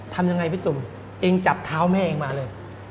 ทำยังไงพี่ตุ่มเองจับเท้าแม่เองมาเลย